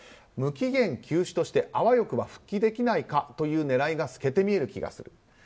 無期限休止としてあわよくば復帰できないかという狙いが透けて見える気がする。